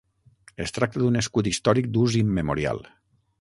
Es tracta d'un escut històric d'ús immemorial.